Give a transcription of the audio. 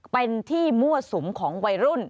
เป็นที่มั่วสุมของวัยรุ่น